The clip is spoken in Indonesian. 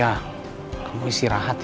adi itu kasly